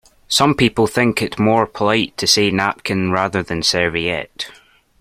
Some people think it more polite to say napkin rather than serviette